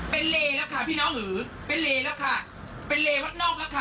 เป็นเลแล้วค่ะพี่น้องหรือเป็นเลแล้วค่ะเป็นเลวัดนอกแล้วค่ะ